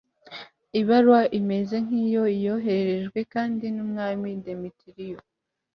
ibaruwa imeze nk'iyo yohererejwe kandi n'umwami demetiriyo